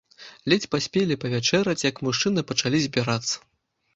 Ледзь паспелі павячэраць, як мужчыны пачалі збірацца.